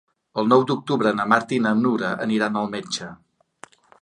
El nou d'octubre na Marta i na Nura aniran al metge.